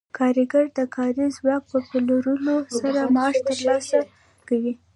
کارګر د کاري ځواک په پلورلو سره معاش ترلاسه کوي